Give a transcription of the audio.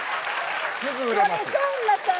これさんまさん